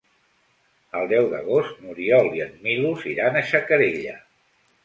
El deu d'agost n'Oriol i en Milos iran a Xacarella.